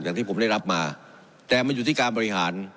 อย่างที่ผมได้รับมาแต่มันอยู่ที่การบริหาร